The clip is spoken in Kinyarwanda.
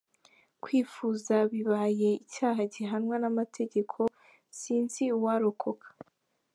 Kwifuza bibaye icyaha gihanwa n’amategeko sinzi uwarokoka.